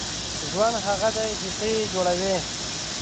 • ژوند هغه دی چې ته یې جوړوې.